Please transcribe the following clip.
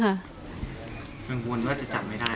กลัวนะว่าจะจัดไม่ได้